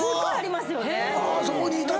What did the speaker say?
そこにいたとか。